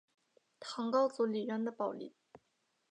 唐高祖李渊的宝林。